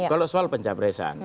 kalau soal pencapresan